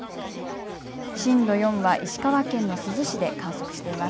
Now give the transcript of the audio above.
震度４は石川県の珠洲市で観測しています。